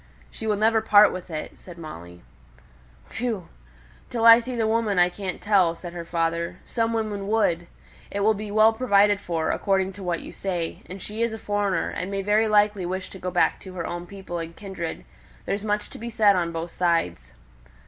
"She will never part with it," said Molly. "Whew! Till I see the woman I can't tell," said her father; "some women would. It will be well provided for, according to what you say. And she is a foreigner, and may very likely wish to go back to her own people and kindred. There's much to be said on both sides."